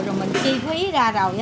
rồi mình chi phí ra rồi